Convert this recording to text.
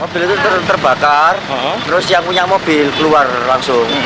pemadam kebakar terus yang punya mobil keluar langsung